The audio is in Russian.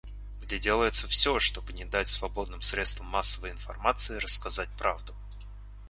Где делается все, чтобы не дать свободным средствам массовой информации рассказать правду.